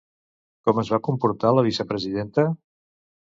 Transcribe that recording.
Com es va comportar la vicepresidenta?